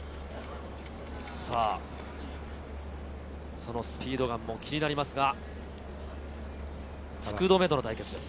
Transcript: そのスピードガン、気になりますが、福留との対決です。